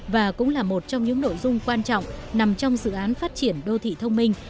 và cũng là một trong những nội dung quan trọng nằm trong dự án phát triển đô thị thông minh